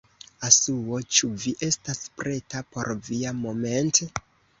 Asuo, ĉu vi estas preta por via moment'...